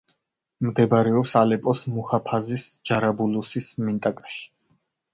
მდებარეობს ალეპოს მუჰაფაზის ჯარაბულუსის მინტაკაში.